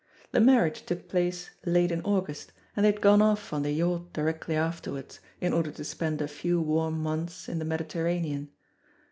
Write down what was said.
The marriage took place late in August, and they had gone off on the yacht directly afterwards, in order to spend a few warm months in the Mediterranean.